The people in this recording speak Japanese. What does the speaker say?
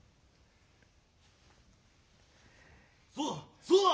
そうだそうだ！